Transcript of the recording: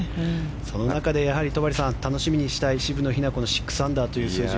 その中で楽しみにしたい渋野日向子の６アンダーという数字。